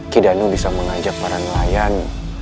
kidanu bisa mengajak para nelayan